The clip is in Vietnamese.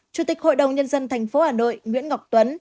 chủ tịch hội đồng nhân dân thành phố hà nội nguyễn ngọc tuấn